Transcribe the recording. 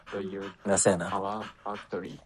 It breeds on a number of palm species.